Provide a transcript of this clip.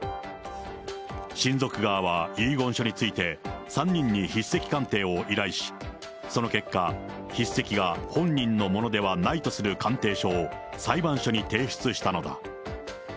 親族側は、遺言書について、３人に筆跡鑑定を依頼し、その結果、筆跡が本人のものではないとする鑑定書を裁判所に提出したのだ。